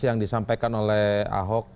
yang disampaikan oleh ahok